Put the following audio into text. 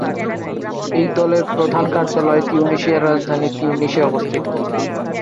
এই দলের প্রধান কার্যালয় তিউনিসিয়ার রাজধানী তিউনিসে অবস্থিত।